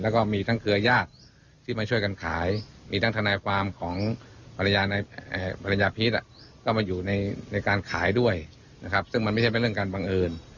แล้วก็มีทั้งเครือญาติที่มาช่วยกันขายมีทั้งทนายความของภรรยาในภรรยาพีชก็มาอยู่ในการขายด้วยนะครับซึ่งมันไม่ใช่เป็นเรื่องการบังเอิญ